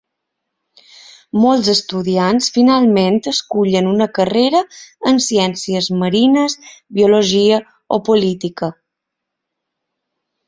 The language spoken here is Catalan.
Molts estudiants finalment escullen una carrera en ciències marines, biologia o política.